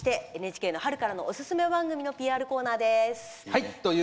ＮＨＫの春からのおすすめ番組のＰＲコーナーです。